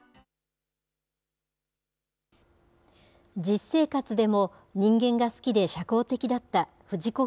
実生活でも、人間が好きで社交的だった藤子